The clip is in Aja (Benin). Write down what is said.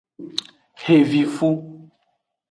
Xevifu.